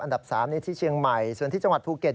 อันดับ๓ที่เชียงใหม่ส่วนที่จังหวัดภูเก็ต